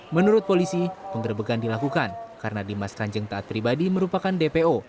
menurut polisi penggerbekan dilakukan karena dimas kanjeng taat pribadi merupakan dpo